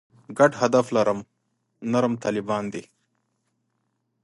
ګډ هدف لري «نرم طالبان» دي.